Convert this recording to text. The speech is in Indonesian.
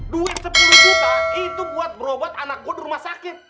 duit sepuluh juta itu buat berobat anakku di rumah sakit